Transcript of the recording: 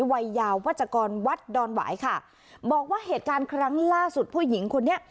วัยยาวัชกรวัดดอนหวายค่ะบอกว่าเหตุการณ์ครั้งล่าสุดผู้หญิงคนนี้